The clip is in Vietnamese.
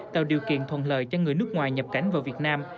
tạo điều kiện thuận lợi cho người nước ngoài nhập cảnh vào việt nam